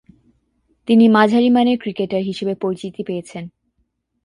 তিনি মাঝারিমানের ক্রিকেটার হিসেবে পরিচিতি পেয়েছেন।